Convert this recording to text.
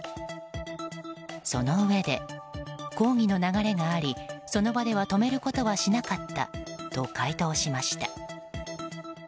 そのうえで、講義の流れがありその場では止めることはしなかったと回答しました。